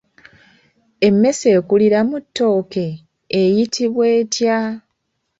Emmese ekulira mu ttooke eyitibwa etya?